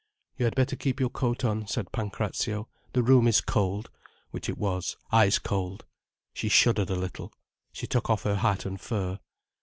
"You had better keep your coat on," said Pancrazio. "The room is cold." Which it was, ice cold. She shuddered a little. She took off her hat and fur.